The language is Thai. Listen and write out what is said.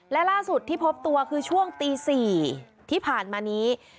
และล่าสุดที่พบตัวคือช่วงตี๔ที่ผ่านมานี้